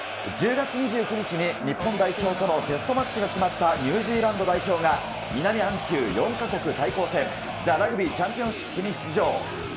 １０月２９日に、日本代表とのテストマッチが決まったニュージーランド代表が、南半球４か国対抗戦、ザ・ラグビーチャンピオンシップに出場。